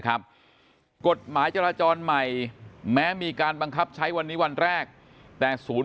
กฎหมายจราจรใหม่แม้มีการบังคับใช้วันนี้วันแรกแต่ศูนย์